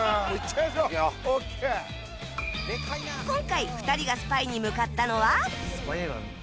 今回２人がスパイに向かったのは